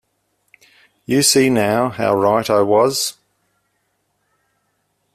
You see now how right I was.